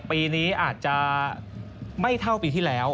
ปีนี้อาจจะไม่เท่าปีที่แล้ว